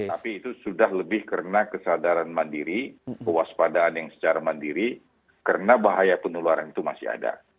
tapi itu sudah lebih karena kesadaran mandiri kewaspadaan yang secara mandiri karena bahaya penularan itu masih ada